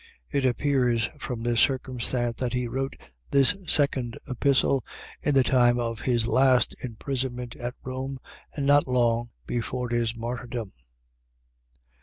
It appears from this circumstance that he wrote this second Epistle in the time of his last imprisonment at Rome and not long before his martyrdom.